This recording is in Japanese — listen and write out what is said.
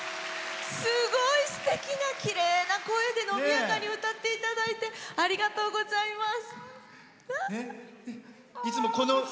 すごいすてきなきれいな声で伸びやかに歌っていただいてありがとうございます。